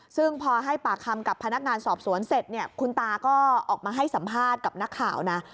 ซึ่งพอให้ปากคำกับพนักงานสอบสวนเสร็จเนี่ยคุณตาก็ออกมาให้สัมภาษณ์กับนักข่าวนะ